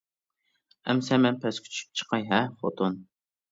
ئەمىسە مەن پەسكە چۈشۈپ چىقىپ چىقاي ھە خوتۇن.